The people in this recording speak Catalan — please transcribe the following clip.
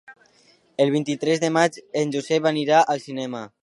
El vint-i-tres de maig en Josep anirà al cinema.